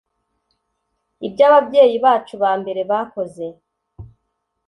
ibyababyeyi bacu bambere bakoze